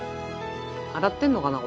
洗ってんのかな？